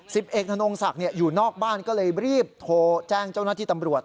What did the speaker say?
สิบเอกธนงศักดิ์อยู่นอกบ้านก็เลยรีบโทรแจ้งเจ้าหน้าที่ตำรวจ